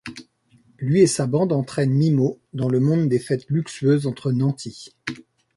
Lui et sa bande entraînent Mimmo dans le monde des fêtes luxueuses entre nantis.